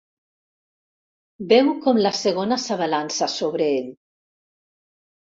Veu com la segona s'abalança sobre ell.